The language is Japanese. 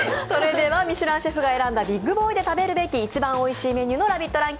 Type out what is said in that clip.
それではミシュランシェフが選んだビッグボーイで一番おいしいメニューのラヴィット！